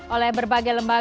oleh berbagai pemerintah